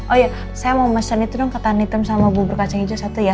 oh iya saya mau mesen itu ketan hitam sama bubur kacang hijau satu ya